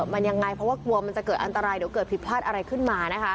มันยังไงเพราะว่ากลัวมันจะเกิดอันตรายเดี๋ยวเกิดผิดพลาดอะไรขึ้นมานะคะ